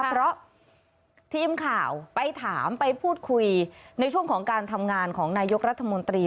เพราะทีมข่าวไปถามไปพูดคุยในช่วงของการทำงานของนายกรัฐมนตรี